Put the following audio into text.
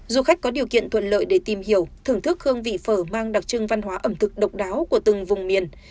du khách có điều kiện thuận lợi để tìm hiểu thưởng thức hương vị phở mang đặc trưng văn hóa ẩm thực độc đáo của từng vùng miền